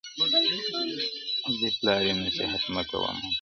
زه دي پلار یم نصیحت مکوه ماته,